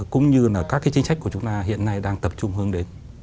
cũng như là các cái chính sách của chúng ta hiện nay đang tập trung hướng đến